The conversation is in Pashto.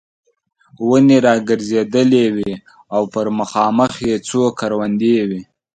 ونې را ګرځېدلې وې او پر مخامخ یې څو کروندې وې.